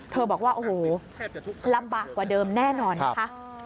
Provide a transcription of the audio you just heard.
บอกว่าโอ้โหลำบากกว่าเดิมแน่นอนนะคะ